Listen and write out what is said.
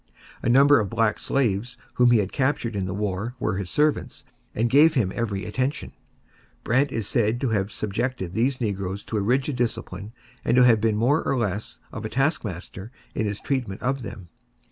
A number of black slaves whom he had captured in the war were his servants and gave him every attention. Brant is said to have subjected these negroes to a rigid discipline and to have been more or less of a taskmaster in his treatment of them.